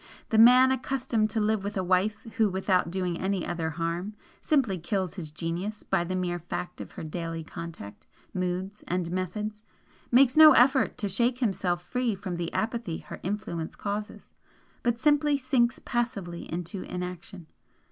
The man accustomed to live with a wife who without doing any other harm, simply kills his genius by the mere fact of her daily contact, moods, and methods, makes no effort to shake himself free from the apathy her influence causes, but simply sinks passively into inaction.